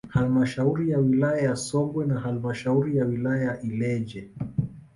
Halmashauri ya wilaya ya Songwe na halmashauri ya wilaya ya Ileje